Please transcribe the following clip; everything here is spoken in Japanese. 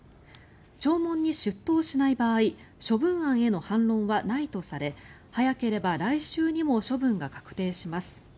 聴聞に出頭しない場合処分案への反論はないとされ早ければ来週にも処分が確定します。